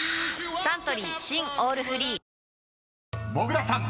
サントリー新「オールフリー」［もぐらさん］